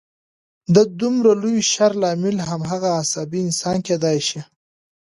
د دومره لوی شر لامل هماغه عصبي انسان کېدای شي